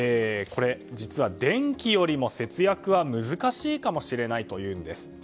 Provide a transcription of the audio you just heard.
実は、電気よりも節約は難しいかもしれないというんです。